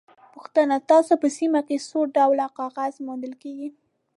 پوښتنه: ستاسو په سیمه کې څو ډوله کاغذ موندل کېږي؟